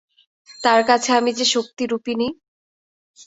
তাঁর কাছে আমি যে শক্তিরূপিণী!